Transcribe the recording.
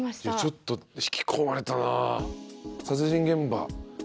ちょっと引き込まれたなぁ。